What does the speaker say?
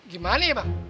gimana ya pak